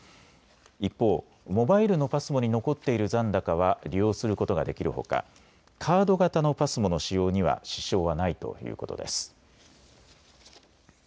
一方、モバイルのＰＡＳＭＯに残っている残高は利用することができるほか、カード型のＰＡＳＭＯの使用には支障はないということです。